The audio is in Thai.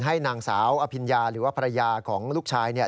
ให้นางสาวอภิญญาหรือว่าภรรยาของลูกชาย